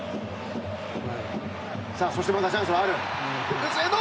そしてまだチャンスはある。